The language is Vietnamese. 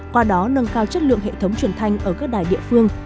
qua đó nâng cao chất lượng hệ thống truyền thanh ở các đài địa phương